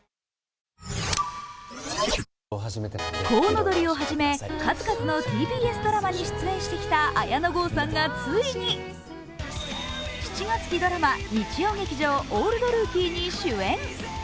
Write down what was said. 「コウノドリ」をはじめ、数々のＴＢＳドラマに出演してきた綾野剛さんがついに、７月期ドラマ日曜劇場「オールドルーキー」に主演。